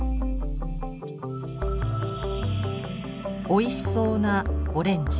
おいしそうなオレンジ。